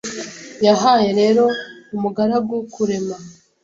Yahaye rero umugaragu kurema